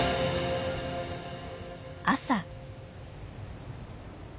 朝。